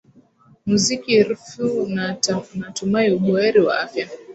muziki rfi natumai u buheri wa afya